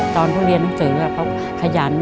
ตอนเขาเรียนหนังสือเขาขยัน